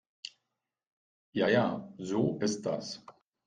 Ja ja, so ist das.